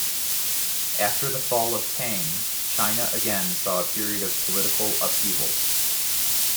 After the fall of Tang, China again saw a period of political upheaval.